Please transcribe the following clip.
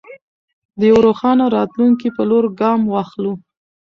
د یوه روښانه راتلونکي په لور ګام واخلو.